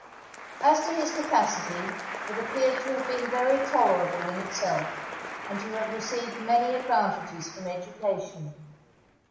As to his capacity, it appeared to have been very tolerable in itself, and to have received many advantages from education.